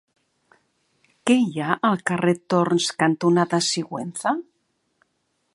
Què hi ha al carrer Torns cantonada Sigüenza?